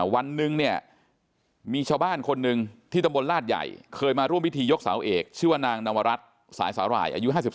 วันหนึ่งเนี่ยมีชาวบ้านคนหนึ่งที่ตำบลลาดใหญ่เคยมาร่วมพิธียกเสาเอกชื่อว่านางนวรัฐสายสาหร่ายอายุ๕๓